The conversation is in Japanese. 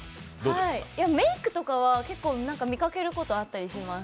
メイクとかは見かけることあったりします。